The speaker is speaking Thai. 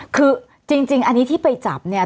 คือจริงอันนี้ที่ไปจับเนี่ย